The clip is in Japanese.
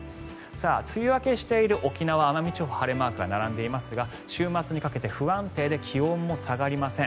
梅雨明けしている沖縄・奄美地方晴れマークが並んでいますが週末にかけて不安定で気温も下がりません。